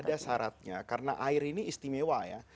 ada syaratnya karena air ini istimewa ya